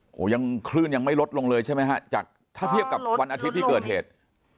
โอ้โหยังคลื่นยังไม่ลดลงเลยใช่ไหมฮะจากถ้าเทียบกับวันอาทิตย์ที่เกิดเหตุ